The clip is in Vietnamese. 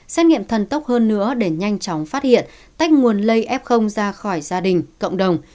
xét nghiệm thần tốc hơn nữa để nhanh chóng phát hiện tách nguồn lây f ra khỏi gia đình cộng đồng